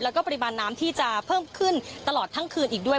แล้วก็ปริมาณน้ำที่จะเพิ่มขึ้นตลอดทั้งคืนอีกด้วย